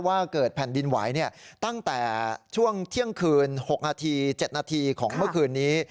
ว่าเกิดแผ่นดินไหวตั้งแต่ช่วงเที่ยงคืน๖นาที๗นาทีของเมื่อคืนนี้